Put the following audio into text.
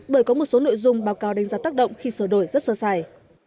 bởi có một số nội dung báo cáo đánh giá tác động khi sửa đổi rất sơ sài